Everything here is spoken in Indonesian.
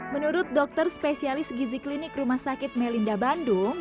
menurut dokter spesialis gizi klinik rumah sakit melinda bandung